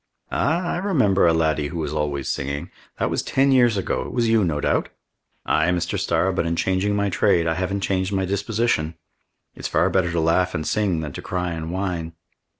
"Ah, I remember a laddie who was always singing. That was ten years ago. It was you, no doubt?" "Ay, Mr. Starr, but in changing my trade, I haven't changed my disposition. It's far better to laugh and sing than to cry and whine!"